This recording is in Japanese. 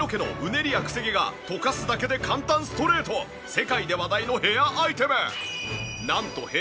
世界で話題のヘアアイテム。